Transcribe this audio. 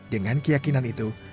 dengan keyakinan itu